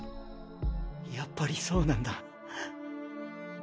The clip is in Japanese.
やっぱりそうなんだ。